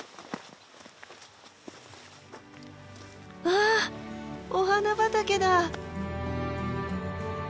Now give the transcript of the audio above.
わあお花畑だ！